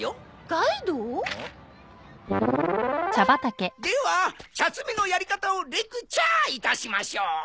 ガイド？では茶摘みのやり方をレクチャいたしましょう。